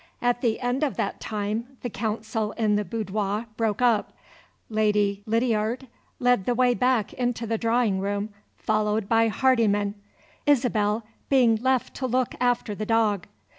At the end of that time the council in the boudoir broke up. Lady Lydiard led the way back into the drawing room, followed by Hardyman, Isabel being left to look after the dog.